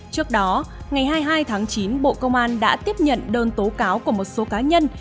trước đó ngày hai mươi hai tháng chín bộ công an đã tiếp nhận đơn tố cáo của một số cá nhân